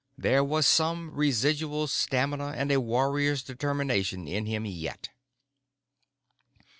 There was some residual stamina and a warrior's determination in him yet.